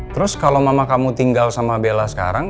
terus kalau mama kamu tinggal sama bella sekarang